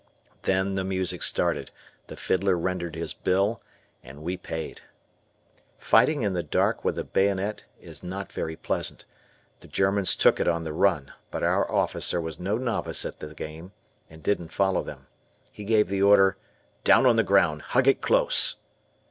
Then the music started, the fiddler rendered his bill, and we paid. Fighting in the dark with a bayonet is not very pleasant. The Germans took it on the run, but our officer was no novice at the game and didn't follow them. He gave the order "down on the ground, hug it close."